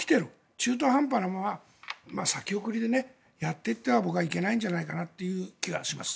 中途半端なまま先送りでやっていっては僕はいけないんじゃないかという気がします。